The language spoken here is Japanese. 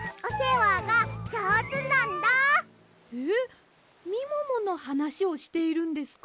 えっみもものはなしをしているんですか？